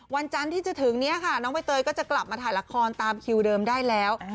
วันจันทร์ที่จะถึงนี้ค่ะน้องใบเตยก็จะกลับมาถ่ายละครตามคิวเดิมได้แล้ว